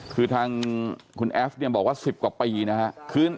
คือทางคุณแอฟเนี่ยบอกว่า๑๐กว่าปีนะครับ